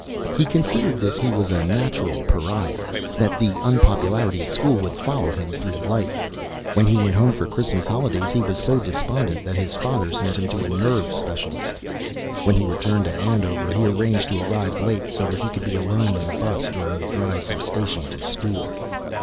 He considered that he was a natural pariah; that the unpopularity at school would follow him through life. When he went home for the Christmas holidays he was so despondent that his father sent him to a nerve specialist. When he returned to Andover he arranged to arrive late so that he could be alone in the bus during the drive from station to school.